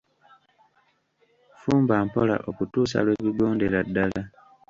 Fumba mpola okutuusa lwe bigondera ddala.